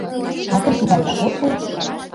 А тый тугайла от кой.